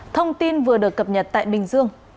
thông tin vừa được cập nhật tại bình dương